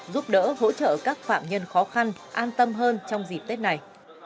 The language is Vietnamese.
giúp đỡ hỗ trợ các phạm nhân khó khăn an tâm hơn trong dịp tết này